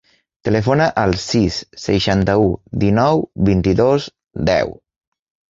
Telefona al sis, seixanta-u, dinou, vint-i-dos, deu.